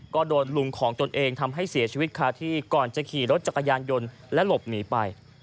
ก็โดนลุงของตนเองทำให้เสียชีวิตคาที่ก่อนจะขี่รถจักรยานยนต์และหลบหนีไป